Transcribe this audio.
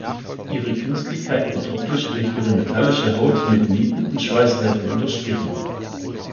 Ihre Künstlichkeit wird optisch durch ihre metallische Haut mit Nieten und Schweißnähten unterstrichen.